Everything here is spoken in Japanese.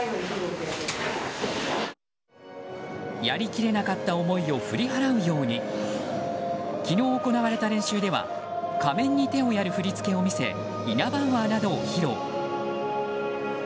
やりきれなかった思いを振り払うように昨日行われた練習では仮面に手をやる振り付けを見せイナバウアーなどを披露。